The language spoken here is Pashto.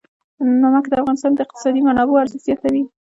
نمک د افغانستان د اقتصادي منابعو ارزښت زیاتوي.